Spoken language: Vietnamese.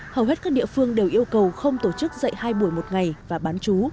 hầu hết các địa phương đều yêu cầu không tổ chức dạy hai buổi một ngày và bán chú